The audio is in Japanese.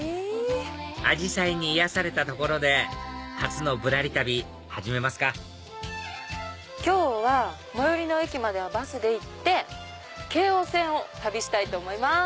アジサイに癒やされたところで初の『ぶらり旅』始めますか今日は最寄りの駅まではバスで行って京王線を旅したいと思います。